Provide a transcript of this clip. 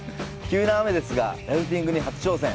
急な雨ですが、ラフティングに初挑戦！